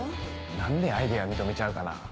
何でアイデア認めちゃうかな？